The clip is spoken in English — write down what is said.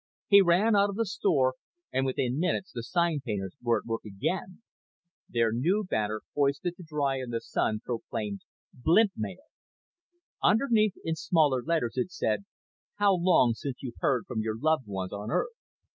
He ran out of the store and within minutes the sign painters were at work again. Their new banner, hoisted to dry in the sun, proclaimed: BLIMP MAIL. Underneath, in smaller letters, it said: _How long since you've heard from your loved ones on Earth?